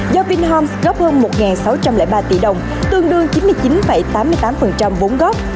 do vinh homes góp hơn một sáu trăm linh ba tỷ đồng tương đương chín mươi chín tám mươi tám vốn góp